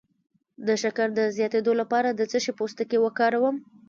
د شکر د زیاتیدو لپاره د څه شي پوستکی وکاروم؟